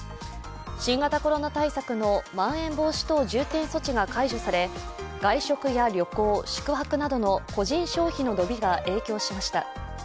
新型コロナ対策のまん延防止等重点措置が解除され外食や旅行、宿泊などの個人消費の伸びが影響しました。